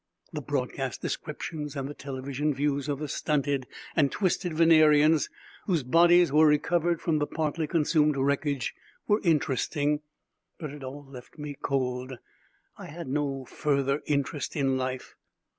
The broadcast descriptions and the television views of the stunted and twisted Venerians whose bodies were recovered from the partly consumed wreckage were interesting. But it all left me cold. I had no further interest in life.